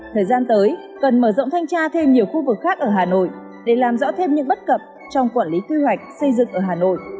thời gian tới cần mở rộng thanh tra thêm nhiều khu vực khác ở hà nội để làm rõ thêm những bất cập trong quản lý quy hoạch xây dựng ở hà nội